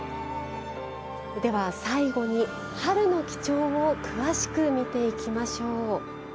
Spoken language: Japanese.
では、最後に春の几帳を詳しく見ていきましょう。